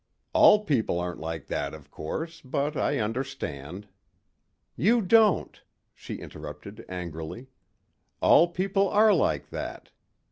"All people aren't like that, of course. But I understand." "You don't," she interrupted angrily. "All people are like that.